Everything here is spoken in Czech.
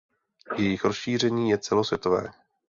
Jejich rozšíření je celosvětové.